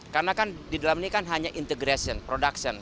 karena kan di dalam ini hanya integration production